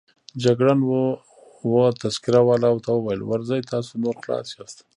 جګړن وه تذکره والاو ته وویل: ورځئ، تاسو نور خلاص یاست.